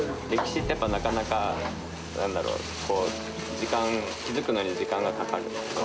歴史ってやっぱ、なかなか、なんだろう、時間、築くのに時間がかかる。